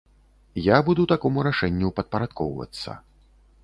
Я буду такому рашэнню падпарадкоўвацца.